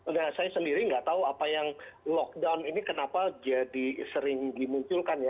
nah saya sendiri nggak tahu apa yang lockdown ini kenapa jadi sering dimunculkan ya